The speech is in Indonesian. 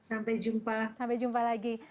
sampai jumpa sampai jumpa lagi